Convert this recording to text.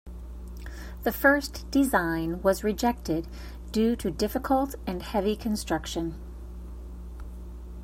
The first design was rejected due to difficult and heavy construction.